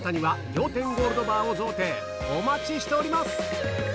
お待ちしております！